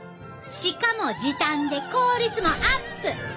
しかも時短で効率もアップ！